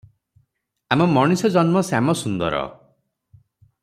ଆମ ମଣିଷଜନ୍ମ ଶ୍ୟାମସୁନ୍ଦର ।